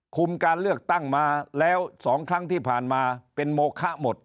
การเลือกตั้งมาแล้ว๒ครั้งที่ผ่านมาเป็นโมคะหมด